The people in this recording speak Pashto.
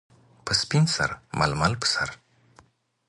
- په سپین سر ململ پر سر.